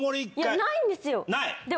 ないんですよ。